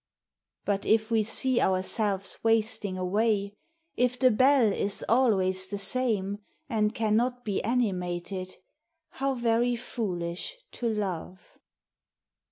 But if we see ourselves wasting away, If the belle is always the same And cannot be animated, How very foolish to love!